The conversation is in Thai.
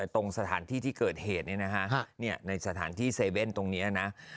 ตรงสถานที่ที่เกิดเหตุเนี่ยนะคะเนี่ยในสถานที่เซเว่นตรงเนี้ยนะ